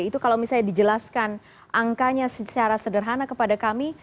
itu kalau misalnya dijelaskan angkanya secara sederhana kepada kami